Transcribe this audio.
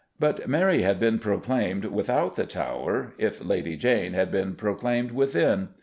But Mary had been proclaimed without the Tower if Lady Jane had been proclaimed within.